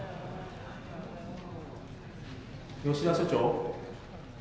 「吉田所長？」。